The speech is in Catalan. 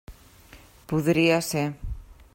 Podria ser.